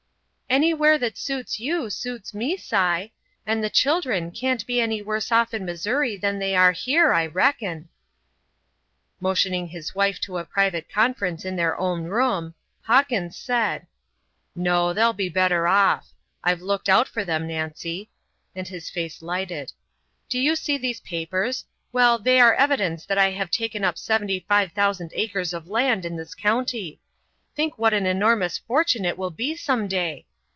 "Anywhere that suits you, suits me, Si. And the children can't be any worse off in Missouri than, they are here, I reckon." Motioning his wife to a private conference in their own room, Hawkins said: "No, they'll be better off. I've looked out for them, Nancy," and his face lighted. "Do you see these papers? Well, they are evidence that I have taken up Seventy five Thousand Acres of Land in this county think what an enormous fortune it will be some day!